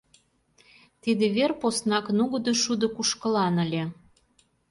Тиде вер поснак нугыдо шудо кушкылан ыле.